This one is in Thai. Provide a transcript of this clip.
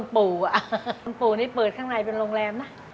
ก็รวมปู่อะปู่นี้เปิดข้างในเป็นโรงแรมนะ